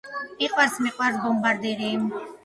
მიყვარს მიყვარს ბომბარდირი.